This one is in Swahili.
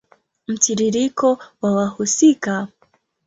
Mtiririko wa wahusika